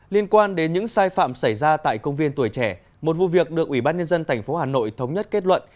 liên quan đến những sai phạm xảy ra tại công viên tuổi trẻ một vụ việc được ủy ban nhân dân tp hà nội thống nhất kết luận